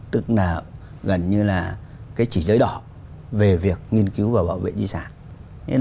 tức là gần như là cái chỉ giới đỏ về việc nghiên cứu và bảo vệ di sản